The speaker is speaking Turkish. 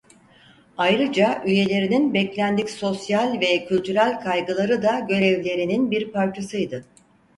Ayrıca üyelerinin beklendik sosyal ve kültürel kaygıları da görevlerinin bir parçasıydı.